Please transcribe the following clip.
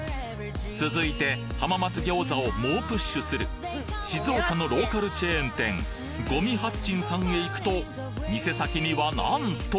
続いて浜松餃子を猛プッシュする静岡のローカルチェーン店五味八珍さんへ行くと店先にはなんと！